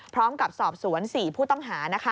พร้อมกับสอบสวน๔ผู้ต้องหา